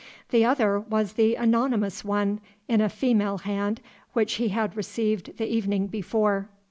The other was the anonymous one, in a female hand, which he had received the evening before.